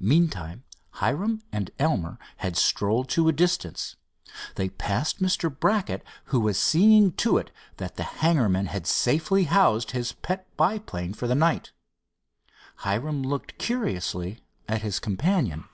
Meantime Hiram and Elmer had strolled to a distance. They passed Mr. Brackett, who was seeing to it that the hangar men safely housed his pet biplane for the night. Hiram looked curiously at his companion.